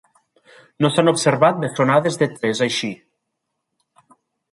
No s'han observat bessonades de tres així.